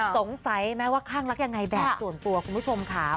สงสัยไหมว่าข้างรักยังไงแบบส่วนตัวคุณผู้ชมค่ะ